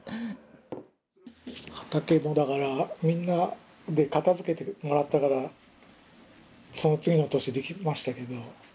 畑もだからみんなで片付けてもらったからその次の年できましたけど。